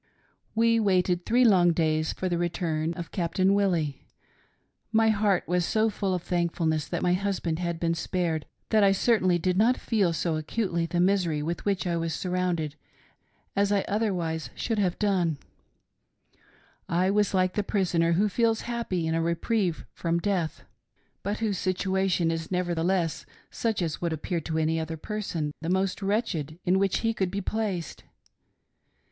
" We waited three long days for the return of Captain Wil lie. My heart was so full of thankfulness that my husband had been spared that I certainly did not feel so acutely the misery with which I was surrounded as I otherwise should have done ; I was like the prisoner who feels happy in a re prieve from death, but whose situation is nevertheless such as would appear to any other person the most wretched in which he could be placed.